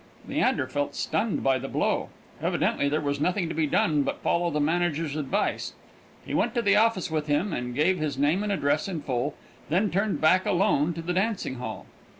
Leander felt stunned by the blow; evidently there was nothing to be done but follow the manager's advice. He went to the office with him, and gave his name and address in full, and then turned back alone to the dancing hall.